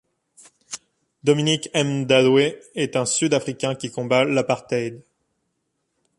Dominic Mndawe est un Sud-Africain qui combat l'apartheid.